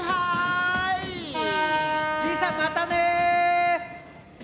じいさんまたね！